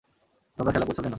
তোমরা খেলা করছো কেন?